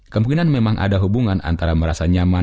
kemungkinan memang ada hubungan antara merasa nyaman